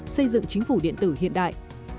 xây dựng chính phủ điện tử hiện đại